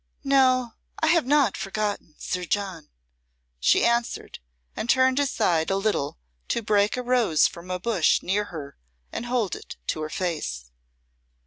"No, I have not forgotten Sir John," she answered, and turned aside a little to break a rose from a bush near her and hold it to her face.